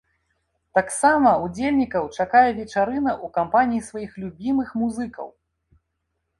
Таксама удзельнікаў чакае вечарына ў кампаніі сваіх любімых музыкаў!